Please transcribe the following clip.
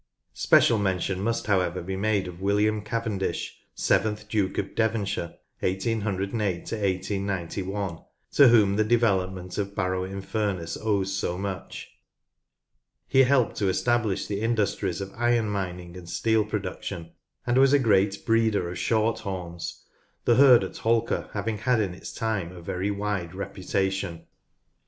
Special mention must however be made of William Cavendish, seventh Duke of Devonshire (1808 1891) to whom the develop ment of Barrow in Furness owes so much. He helped to establish the industries of iron mining and steel pro duction, and was a great breeder of shorthorns, the herd at Holker having had in its time a very wide reputation.